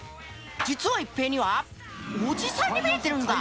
実は一平にはおじさんに見えてるんだ。